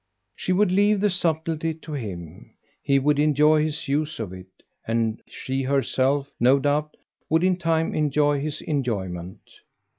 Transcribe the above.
She would leave the subtlety to him: he would enjoy his use of it, and she herself, no doubt, would in time enjoy his enjoyment.